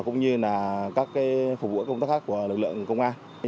cũng như là các phục vụ công tác khác của lực lượng công an